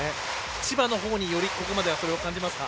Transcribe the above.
千葉のほうによりここまでそれを感じますか。